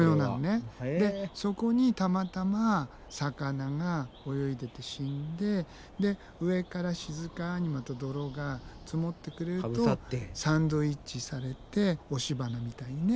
そこにたまたま魚が泳いでて死んでで上から静かにまた泥が積もってくれるとサンドイッチされて押し花みたいにね